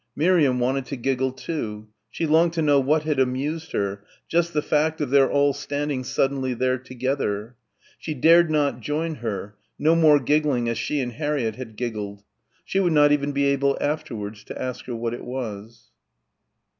Miriam wanted to giggle too. She longed to know what had amused her ... just the fact of their all standing suddenly there together. She dared not join her ... no more giggling as she and Harriett had giggled. She would not even be able afterwards to ask her what it was.